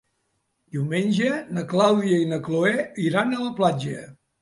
Diumenge na Clàudia i na Cloè iran a la platja.